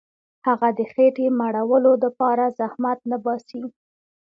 هغه د خېټي مړولو دپاره زحمت نه باسي.